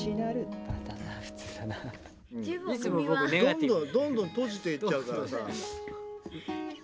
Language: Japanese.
・どんどんどんどん閉じていっちゃうからさ。